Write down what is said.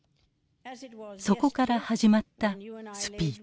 そこから始まったスピーチ。